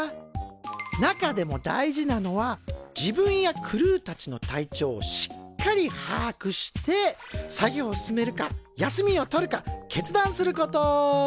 中でも大事なのは自分やクルーたちの体調をしっかりはあくして作業を進めるか休みを取るか決断すること。